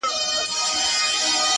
ستا د يادو لپاره,